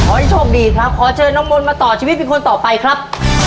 โชคดีครับขอเชิญน้องมนต์มาต่อชีวิตเป็นคนต่อไปครับ